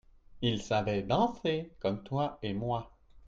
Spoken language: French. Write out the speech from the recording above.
Ils savaient danser comme toi et moi.